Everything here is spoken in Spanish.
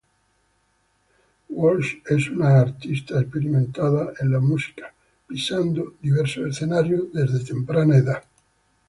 Walsh es una artista experimentada en la música, pisando diversos escenarios desde temprana edad.